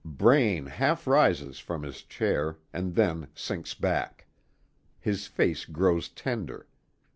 Braine half rises from his chair, and then sinks back. His face grows tender.